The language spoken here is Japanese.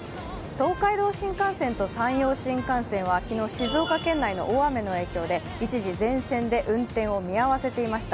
東海道新幹線と山陽新幹線は昨日、静岡県内の大雨の影響で一時、全線で運転を見合わせていました。